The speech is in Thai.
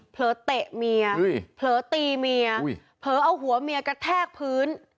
เผลอเตะเมียเผลอตีเมียเผลอเอาหัวเมียกระแทกพื้น